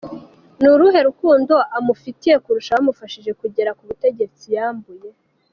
Nuruhe rukundo amufitiye kurusha abamufashije kugera k’ubutegetsi yambuye?